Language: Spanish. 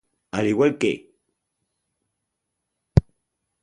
Al igual que